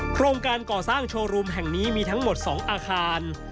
โครงการก่อสร้างโชว์รูมแห่งนี้มีทั้งหมด๒อาคาร